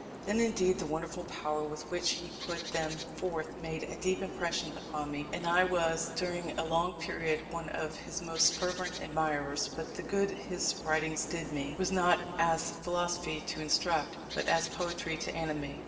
Then, indeed, the wonderful power with which he put them forth made a deep impression upon me, and I was during a long period one of his most fervent admirers; but the good his writings did me, was not as philosophy to instruct, but as poetry to animate.